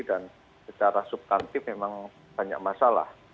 dan secara subkantif memang banyak masalah